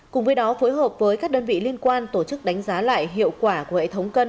cùng với đó phối hợp với các đơn vị liên quan tổ chức đánh giá lại hiệu quả của hệ thống cân